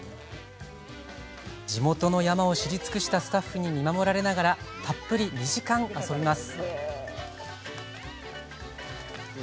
地元の山を知り尽くしたスタッフに見守られながらたっぷり２時間遊びます。